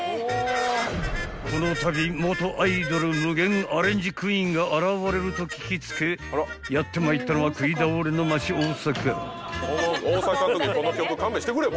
［このたび元アイドル無限アレンジクイーンが現れると聞き付けやってまいったのはくいだおれの街大阪］